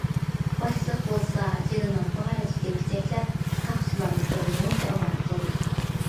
باشلىق بولسا جېنىنىڭ بارىچە تېپچەكلەپ، ساقچىلارنى بىر مۇنچە ئاۋارە قىلدى.